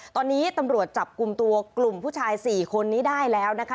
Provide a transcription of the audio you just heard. ตอนนี้ตำรวจจับกลุ่มตัวกลุ่มผู้ชาย๔คนนี้ได้แล้วนะคะ